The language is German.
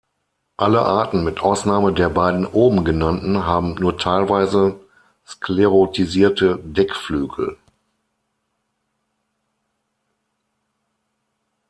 Alle Arten mit Ausnahme der beiden oben genannten haben nur teilweise sklerotisierte Deckflügel.